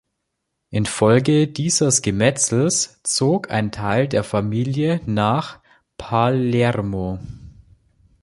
Infolge dieses Gemetzels zog ein Teil der Familie nach Palermo.